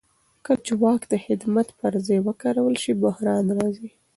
کله چې واک د خدمت پر ځای وکارول شي بحران راځي